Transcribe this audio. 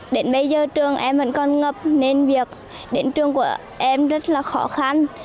đến bây giờ trường em vẫn còn ngập nên việc đến trường của em rất là khó khăn